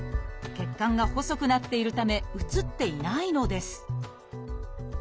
血管が細くなっているため写っていないのです